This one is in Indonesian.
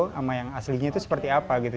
sama yang aslinya itu seperti apa gitu